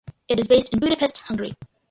It is based in Budapest, Hungary.